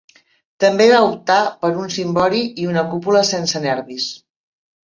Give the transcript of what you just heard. També va optar per un cimbori i una cúpula sense nervis.